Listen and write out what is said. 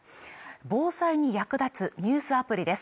防災に役立つニュースアプリです